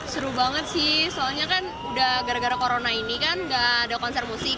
seru banget sih soalnya kan udah gara gara corona ini kan gak ada konser musik